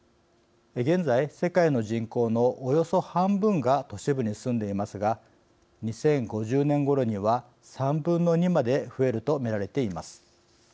現在、世界の人口のおよそ半分が都市部に住んでいますが２０５０年ごろには３分の２まで増えると見られています。